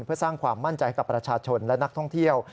เพื่อสร้างความมั่นใจกับประชาชนและนักท่องเที่ยว